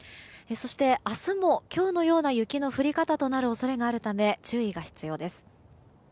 そして、明日も今日のような雪の降り方となる恐れがあるため注意が必要です。